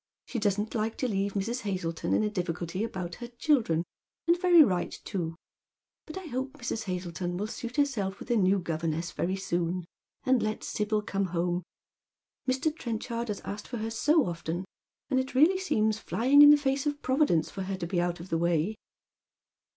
She doesn't like to leave Mrs. Hazleton in a difficulty about her children ; and very right too. But I hope Mrs. Hazleton will suit herself with a new governess very soon, and let Sibyl come home. Mr. Ti'enchard has asked for her so often, and it really seems flying in the face of Providence for her to be out of the way."